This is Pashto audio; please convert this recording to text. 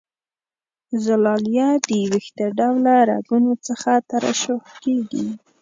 زلالیه د وېښته ډوله رګونو څخه ترشح کیږي.